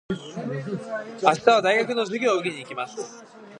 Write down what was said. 明日は大学の授業を受けに行きます。